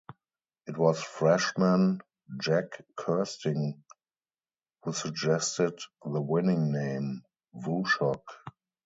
It was freshman Jack Kersting who suggested the winning name, WuShock.